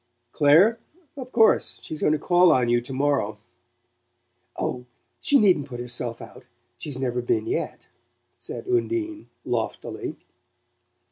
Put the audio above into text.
"Clare? of course. She's going to call on you tomorrow." "Oh, she needn't put herself out she's never been yet," said Undine loftily.